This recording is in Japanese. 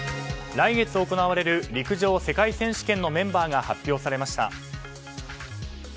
来月行われる陸上世界選手権のメンバーが発表されました。